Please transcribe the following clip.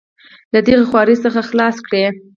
له دغې خوارۍ څخه خلاص کړي.